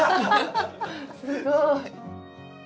すごい。